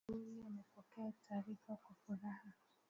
Rais Mteule amepokea taarifa kwa furaha